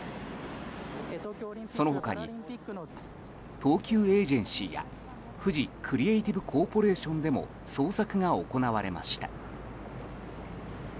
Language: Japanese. その他に東急エージェンシーやフジクリエイティブコーポレーションでも捜索が行われました。